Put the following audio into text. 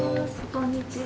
こんにちは。